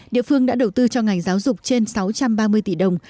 địa phương đã đầu tư cho ngành giáo dục trên sáu trăm ba mươi tỷ đồng